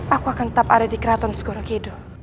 aku akan tetap ada di keraton skorokido